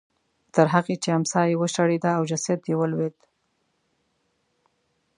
تر هغې چې امسا یې وشړېده او جسد یې ولوېد.